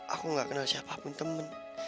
aku gak kenal siapapun temen